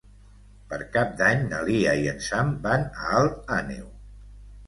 Per Cap d'Any na Lia i en Sam van a Alt Àneu.